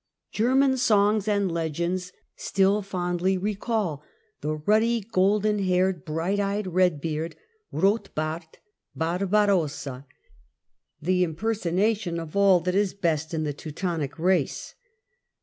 German songs and legends still fondly recall the ruddy, golden haired, bright eyed " Eedbeard " (Rothbart, Barbarossa), the impersonation of all that is best in the Teutonic race.